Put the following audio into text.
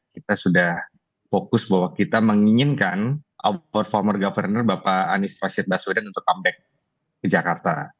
kita sudah fokus bahwa kita menginginkan outperformer governner bapak anies rashid baswedan untuk comeback ke jakarta